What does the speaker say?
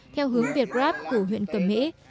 theo hướng việt gáp của huyện cẩm mỹ